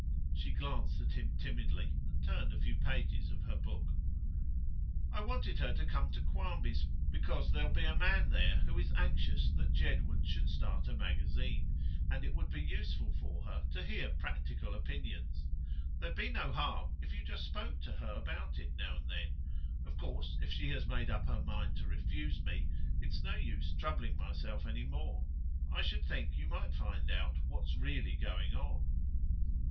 She glanced at him timidly, and turned a few pages of her book. 'I wanted her to come to Quarmby's, because there'll be a man there who is anxious that Jedwood should start a magazine, and it would be useful for her to hear practical opinions. There'd be no harm if you just spoke to her about it now and then. Of course if she has made up her mind to refuse me it's no use troubling myself any more. I should think you might find out what's really going on.